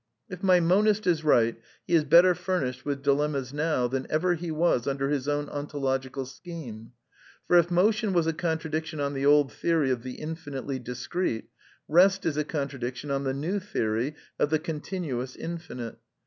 If my monist is right, he is better furnished with di lemmas now than ever he was under his own ontological scheme. For if motion was a contradiction on the old theory of the infinitely discrete, rest is a contradict yn on the new theory of the continuous inlinite.